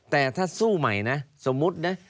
แต่ถ้าสู้ใหม่นะสมมุตินะ